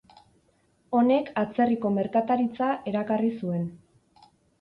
Honek atzerriko merkataritza erakarri zuen.